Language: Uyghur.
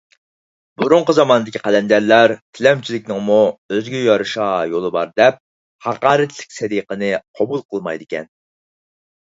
بۇرۇنقى زاماندىكى قەلەندەرلەر تىلەمچىلىكنىڭمۇ ئۆزىگە يارىشا يولى بار دەپ، ھاقارەتلىك سەدىقىنى قوبۇل قىلمايدىكەن.